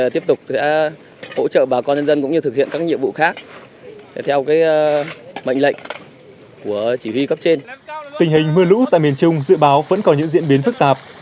tình hình mưa lũ tại miền trung dự báo vẫn còn những diễn biến phức tạp